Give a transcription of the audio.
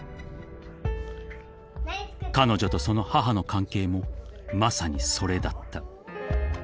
［彼女とその母の関係もまさにそれだった］